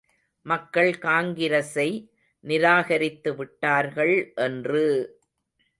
மக்கள் காங்கிரஸை நிராகரித்து விட்டார்கள் என்று!